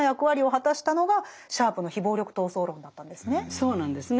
そうなんですね。